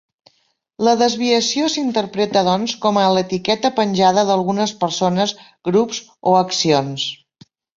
La desviació s'interpreta doncs com a l'etiqueta penjada d'algunes persones, grups o accions.